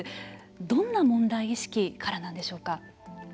どんな問題意識からなんでしょうか。